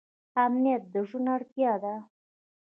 امنیت د ژوند اړتیا ده